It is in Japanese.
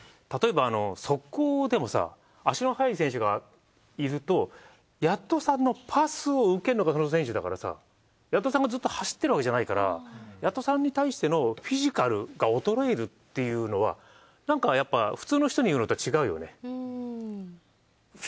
例えば速攻でもさ足の速い選手がいるとヤットさんのパスを受けるのがその選手だからさヤットさんがずっと走ってるわけじゃないからヤットさんに対してのフィジカルが衰えるっていうのはなんかやっぱ普通の人に言うのとは違うよね。